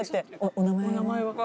お名前は？